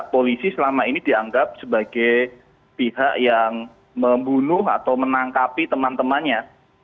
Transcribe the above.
polisi selama ini dianggap sebagai pihak yang membunuh atau menangkapi teman temannya